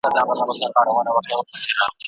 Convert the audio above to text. اقتصادي وده به نوي کيفي شاخصونه رامنځته کړي.